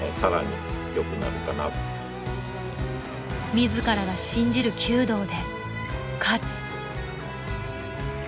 自らが信じる弓道で勝つ。